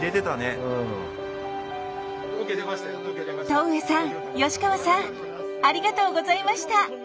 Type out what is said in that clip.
戸上さん吉川さんありがとうございました。